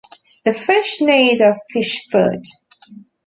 The fish need of fish food.